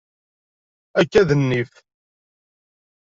Akka d nnif.